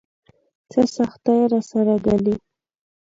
څه سختۍ راسره ګالي.